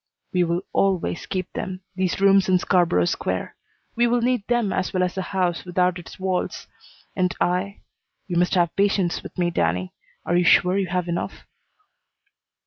"We will always keep them, these rooms in Scarborough Square. We will need them as well as the house without its walls. And I You must have patience with me, Danny. Are you sure you have enough?"